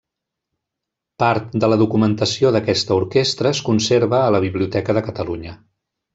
Part de la documentació d'aquesta orquestra es conserva a la Biblioteca de Catalunya.